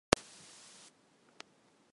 Том үсэр гэсэн бол том л үсэрнэ.